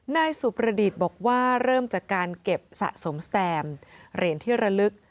นายสุประดิษฐ์บอกว่าเริ่มจากการเก็บสะสมสแตมเหรียญที่ระลึก